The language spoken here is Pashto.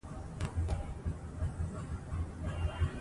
د هندي سبک پيرو شاعر چې فرعي برخې يې